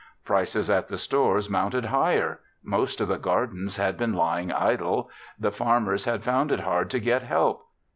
Prices at the stores mounted higher. Most of the gardens had been lying idle. The farmers had found it hard to get help.